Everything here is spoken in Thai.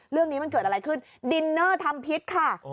เรื่องนี้มันเกิดอะไรขึ้นดินเนอร์ทำพิษค่ะ